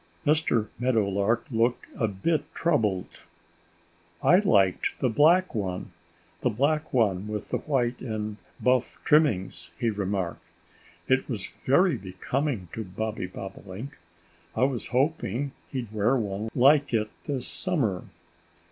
Mr. Meadowlark looked a bit troubled. "I liked the black one the black one with the white and buff trimmings," he remarked. "It was very becoming to Bobby Bobolink. I was hoping he'd wear one like it this summer."